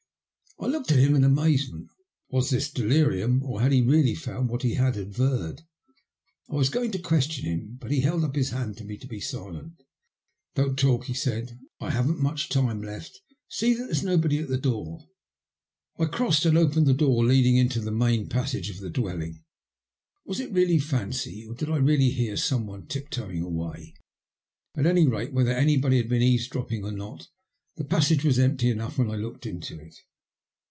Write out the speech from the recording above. I looked at him in amazement. Was this delirium? or had he really found what he had averred ? I was going to question him, but he held up his hand to me to be silent. Don't talk," he said ;^* I haven't much time left. See that there's nobody at the door." 20 THE LUST OF HATB. I crossed and opened the door leading into the main passage of the dwelling. Was it only fancy, or did I really hear someone tip toeing away ? At any rate whether anybody had been eavesdropping or not, the passage was empty enoagh when I looked into it.